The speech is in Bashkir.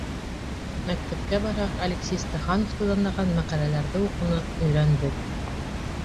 Мәктәпкә барһаҡ, Алексей Стахановты данлаған мәҡәләләрҙе уҡыныҡ, өйрәндек.